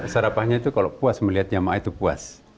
sarapannya itu kalau puas melihat jamaah itu puas